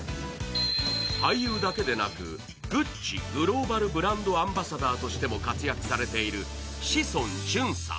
俳優だけでなく、グッチ・グローバル・アンバサダーとしても活躍されている志尊淳さん。